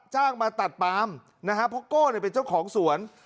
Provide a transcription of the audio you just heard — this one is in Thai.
จ้างมาตัดปาล์มนะครับเพราะโก้เนี่ยเป็นเจ้าของสวน